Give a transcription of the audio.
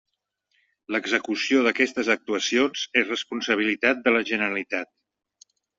L'execució d'aquestes actuacions és responsabilitat de la Generalitat.